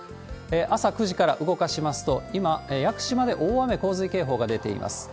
朝９時から動かしますと、今、屋久島で大雨洪水警報が出ています。